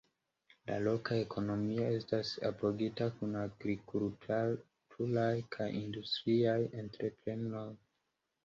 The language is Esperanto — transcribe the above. La loka ekonomio estas apogita kun agrikulturaj kaj industriaj entreprenoj.